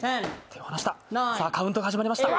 手を離した、さあ、カウントが始まりました。